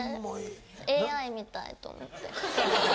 ＡＩみたいと思って。